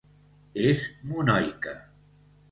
És monoica.